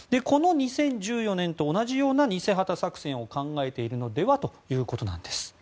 この２０１４年と同じような偽旗作戦を考えているのではということなんです。